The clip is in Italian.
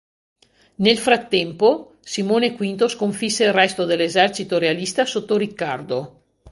Nel frattempo, Simone V sconfisse il resto dell'esercito realista sotto Riccardo.